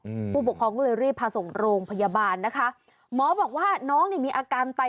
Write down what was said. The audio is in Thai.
อืมผู้ปกครองก็เลยรีบพาส่งโรงพยาบาลนะคะหมอบอกว่าน้องนี่มีอาการไต